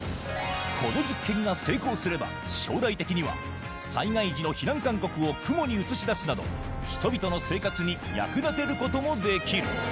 この実験が成功すれば将来的には災害時の避難勧告を雲に映し出すなど人々の生活に役立てることもできる